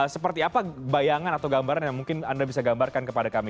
seperti apa bayangan atau gambaran yang mungkin anda bisa gambarkan kepada kami